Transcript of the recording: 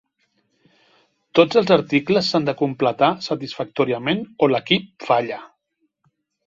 Tots els articles s'han de completar satisfactòriament o l'equip falla.